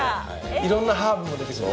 いろんなハーブも出てくる？